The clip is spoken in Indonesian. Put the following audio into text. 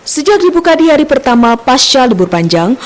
sejak dibuka di hari pertama pasca libur panjang